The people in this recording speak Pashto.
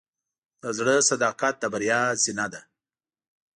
د زړۀ صداقت د بریا زینه ده.